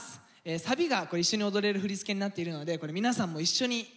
サビが一緒に踊れる振り付けになっているのでこれ皆さんも一緒にエンジョイしちゃって下さい。